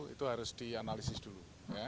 itu harus dianalisis dulu